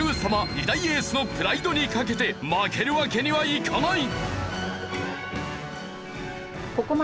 ２大エースのプライドにかけて負けるわけにはいかない！